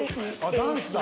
ダンスだ！